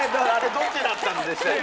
どっちだったんでしたっけ？